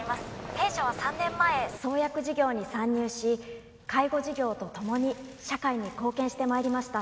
弊社は３年前創薬事業に参入し介護事業とともに社会に貢献してまいりました